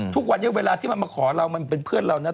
ทุกวันนี้เวลาที่มันมาขอเรามันเป็นเพื่อนเรานะ